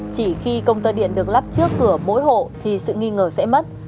chỉ khi công tơ điện được lắp trước cửa mỗi hộ thì sự nghi ngờ sẽ mất